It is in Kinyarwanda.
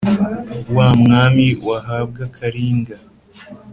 Wa mwami wahabwa Karinga